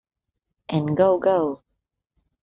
En "Go Go!